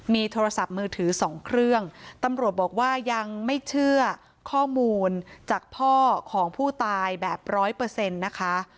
มีโทรศัพท์มือถือสองเครื่องตำรวจบอกว่ายังไม่เชื่อข้อมูลจากพ่อของผู้ตายแบบร้อยเปอร์เซ็นต์นะคะ